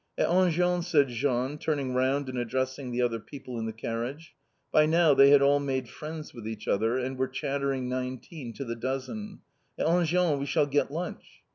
"At Enghien," said Jean, turning round and addressing the other people in the carriage (by now they had all made friends with each other, and were chattering nineteen to the dozen), "at Enghien we shall get lunch!"